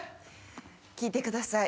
聴いてください。